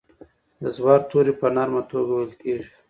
د زور توری په نرمه توګه ویل کیږي.